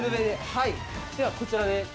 ではこちらで。